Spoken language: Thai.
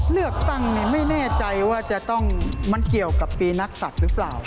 เลือกตั้งไม่แน่ใจว่าจะต้องมันเกี่ยวกับปีนักศัตริย์หรือเปล่า